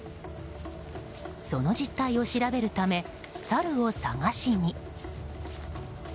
その実態を調べるためサルを探しに。